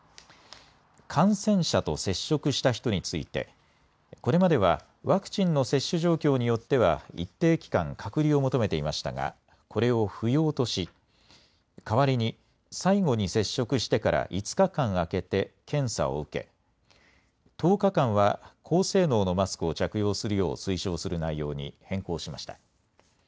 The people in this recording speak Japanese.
感染者と接触した人についてこれまではワクチンの接種状況によっては一定期間、隔離を求めていましたがこれを不要とし代わりに最後に接触してから５日間、空けて検査を受け１０日間は高性能のマスクを着用するよう推奨する内容に変更しました。